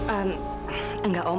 em enggak om